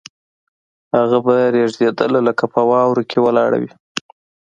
هغه به رېږدېدله لکه په واورو کې ولاړه وي